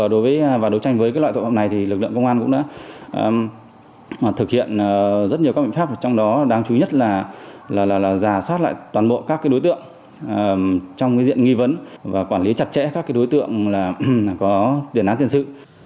đối với các đối tượng này lực lượng công an thực hiện rất nhiều các biện pháp trong đó đáng chú ý nhất là giả soát lại toàn bộ các đối tượng trong diện nghi vấn và quản lý chặt chẽ các đối tượng có tiền án tiền sự